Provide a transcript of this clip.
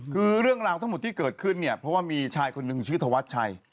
คือเรื่องราวทั้งหมดที่เกิดขึ้นเนี่ยเพราะว่ามีชายคนหนึ่งชื่อธวัชชัย